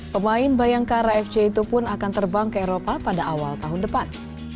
pemain bayangkara fc itu pun akan terbang ke eropa pada awal tahun depan